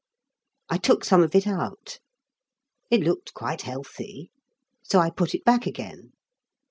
I took some of it out. It looked quite healthy, so I put it back again.